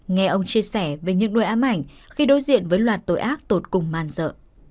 nghe ông chia sẻ về những nỗi ám ảnh khi đối diện với loạt tội ác tội cùng man dợ